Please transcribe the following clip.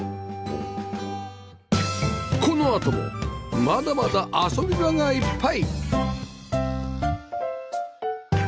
このあともまだまだ遊び場がいっぱい！